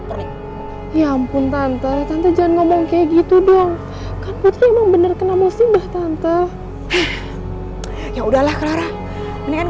sampai jumpa di video selanjutnya